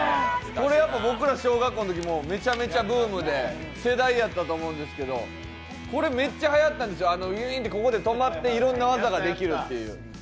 これ僕ら小学校のときめちゃめちゃブームで世代やったと思うんですけどこれめっちゃはやったんですよ、ここで止まって、いろんな技ができるっていう。